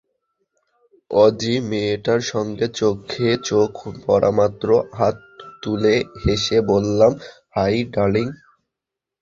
Aussie মেয়েটার সঙ্গে চোখে চোখ পড়ামাত্র হাত তুলে হেসে বললাম, হাই ডার্লিং।